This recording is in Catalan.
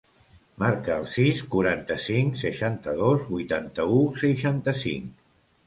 Marca el sis, quaranta-cinc, seixanta-dos, vuitanta-u, seixanta-cinc.